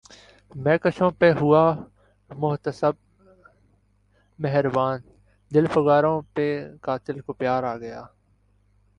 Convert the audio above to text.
مے کشوں پر ہوا محتسب مہرباں دل فگاروں پہ قاتل کو پیار آ گیا